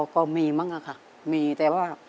ก็มีมั้งค่ะมีแต่ว่า